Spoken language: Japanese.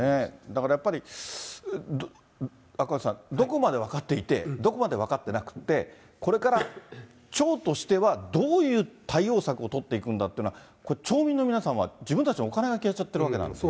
だからやっぱり、赤星さん、どこまで分かっていて、どこまで分かってなくて、これから町としてはどういう対応策を取っていくんだっていうのは、これ、町民の皆さんは自分たちのお金が消えちゃってるわけだから。